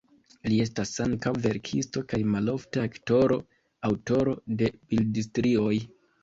Li estas ankaŭ verkisto kaj malofte aktoro, aŭtoro de bildstrioj.